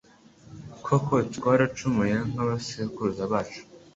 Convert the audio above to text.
Koko twaracumuye nk’abasekuruza bacu